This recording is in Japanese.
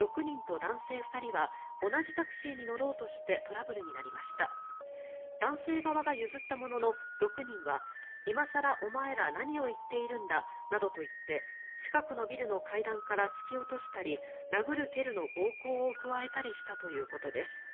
男性側が譲ったものの、６人は今更お前ら何を言っているんだなどと言って近くのビルの階段から突き落としたり殴る蹴るの暴行を加えたりしたということです。